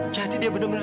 jadi dia benar benar